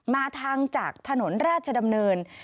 มาทางจากถนนราชดำเนิน